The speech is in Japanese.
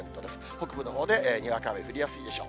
北部のほうでにわか雨降りやすいでしょう。